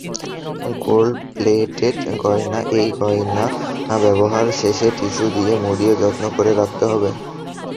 Gold plated গয়নাএই গয়না ব্যবহার শেষে টিস্যু দিয়ে মুড়িয়ে যত্ন করে রাখতে হবে।